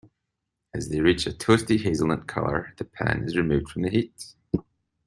As they reach a toasty hazelnut color, the pan is removed from the heat.